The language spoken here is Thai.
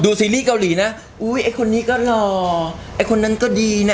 ดูซีรีส์เกาหลีนะอุ้วคนนี้ก็ล่อคนนั้นก็ดีนะคะ